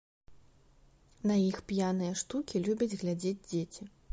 На іх п'яныя штукі любяць глядзець дзеці.